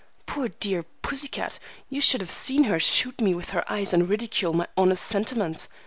"Poor, dear pussy cat! You should have seen her shoot me with her eyes and ridicule my honest sentiment.